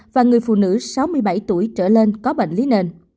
và người phụ nữ sáu mươi bảy tuổi trở lên có bệnh lý nền